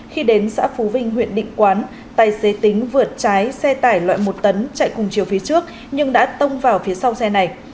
khi đến xã phú vinh huyện định quán tài xế tính vượt trái xe tải loại một tấn chạy cùng chiều phía trước nhưng đã tông vào phía sau xe này